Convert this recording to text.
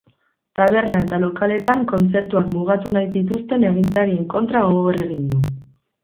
Taberna eta lokaletan kontzertuak mugatu nahi dituzten agintarien kontra gogor egin du.